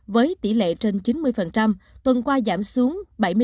với tỷ lệ trên chín mươi tuần qua giảm xuống bảy mươi năm bốn